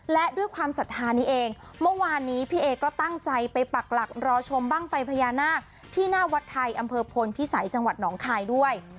และด้วยความศรัทธานี้เองเมื่อวานนี้พี่เอก็ตั้งใจไปปักหลักรอชมบ้างไฟพญานาคที่หน้าวัดไทยอำเภอพลพิสัยจังหวัดหนองคายด้วย